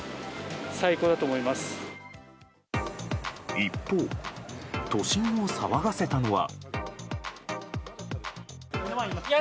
一方、都心を騒がせたのは。